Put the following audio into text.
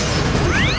aku akan menang